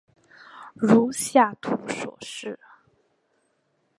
如下图所示。